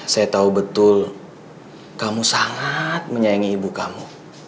saya tahu betul kamu sangat menyayangi ibu kamu